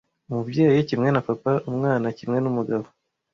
Umubyeyi kimwe na papa, umwana kimwe n'umugabo,